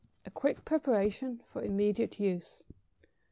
= (_A quick preparation for immediate use.